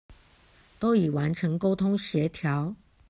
都已完成溝通協調